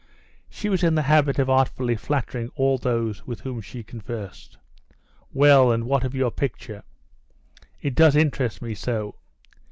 She was in the habit of artfully flattering all those with whom she conversed. "Well, and what of your picture? It does interest me so.